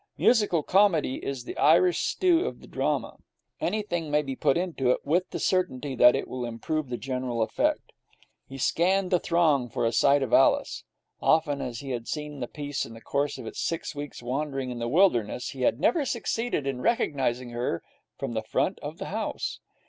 Musical comedy is the Irish stew of the drama. Anything may be put into it, with the certainty that it will improve the general effect. He scanned the throng for a sight of Alice. Often as he had seen the piece in the course of its six weeks' wandering in the wilderness he had never succeeded in recognizing her from the front of the house.